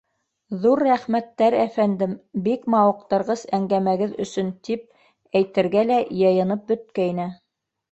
— ЗУР рәхмәттәр, әфәндем, бик мауыҡтырғыс әңгәмәгеҙ өсөн, —тип әйтергә лә йыйынып бөткәйне.